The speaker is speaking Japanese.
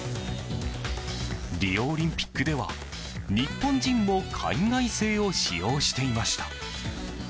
リオオリンピックでは日本人も海外製を使用していました。